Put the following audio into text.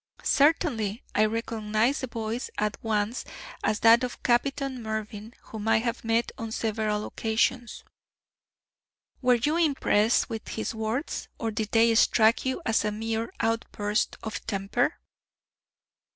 "Certainly. I recognised the voice at once as that of Captain Mervyn, whom I have met on several occasions." "Were you impressed with his words, or did they strike you as a mere outburst of temper?"